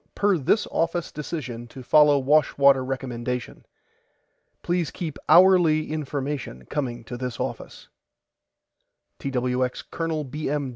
PER THIS OFFICE DECISION TO FOLLOW WASHWATER RECOMMENDATION PLEASE KEEP HOURLY INFORMATION COMING TO THIS OFFICE TWX COL. B. M.